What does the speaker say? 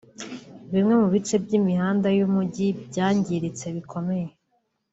Bimwe mu bice by'imihanda y'umujyi byangiritse bikomeye